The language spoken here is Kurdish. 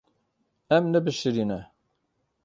Em nebişirîne.